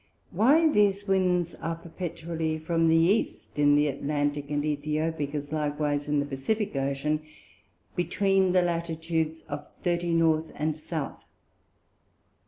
Why these Winds are perpetually from the East in the Atlantic and Æthiopick; as likewise in the Pacifick Ocean, between the Latitudes of 30 North and South?